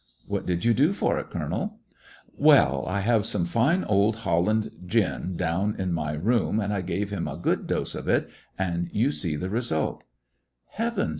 "What did you do for it, colonel!" *^Wellj I have some fine old Holland gin down in my room, and I gave him a good dose of it, and yon see the result," ''Heavens